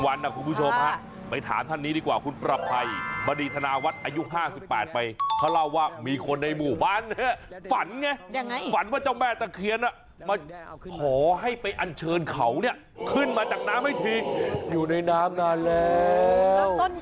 ฝันไงฝันว่าเจ้าแม่ตะเคียนมาขอให้ไปอันเชิญเขาขึ้นมาจากน้ำให้ทีอยู่ในน้ำนานแล้ว